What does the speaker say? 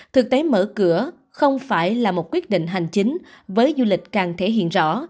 thực tế mở cửa không phải là một quyết định hành chính với du lịch càng thể hiện rõ